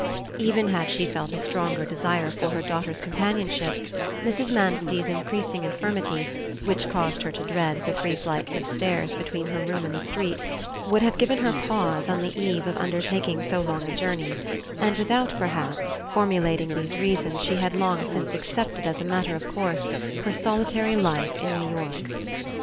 Even had she felt a stronger desire for her daughter's companionship, Mrs. Manstey's increasing infirmity, which caused her to dread the three flights of stairs between her room and the street, would have given her pause on the eve of undertaking so long a journey; and without perhaps, formulating these reasons she had long since accepted as a matter of course her solitary life in New York.